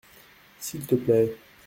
S’il te plait.